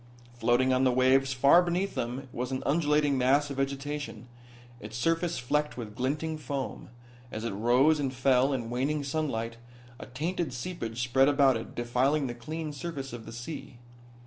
Floating on the waves far beneath them was an undulating mass of vegetation, its surface flecked with glinting foam. As it rose and fell in waning sunlight a tainted seepage spread about it, defiling the clean surface of the sea.